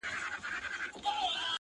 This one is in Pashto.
د دود وهلي ښار سپېڅلي خلگ لا ژونـدي دي;